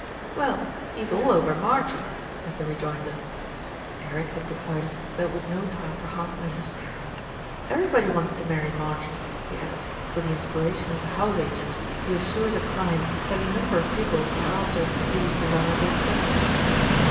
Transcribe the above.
"Well, he's all over Marjie," was the rejoinder. Eric had decided that it was no time for half measures. "Everybody wants to marry Marjie," he added, with the inspiration of the house agent who assures a client that a number of people are after "these desirable premises."